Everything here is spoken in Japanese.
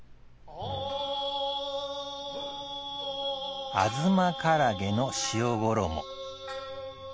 「あづまからげの」